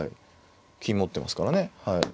金持ってますからね。